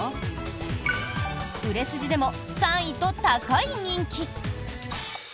売れ筋でも３位と高い人気。